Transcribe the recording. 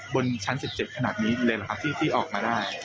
บนชั้น๑๗ขนาดนี้เลยเหรอครับที่ออกมาได้